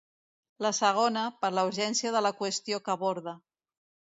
La segona, per la urgència de la qüestió que aborda.